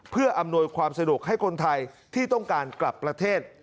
เพื่ออำนวยความสะดวกให้คนไทยที่ต้องการกลับประเทศ